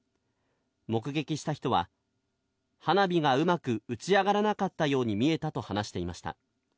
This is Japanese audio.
目撃した人は、花火がうまく打ち上がらなかったように見えたと話していました。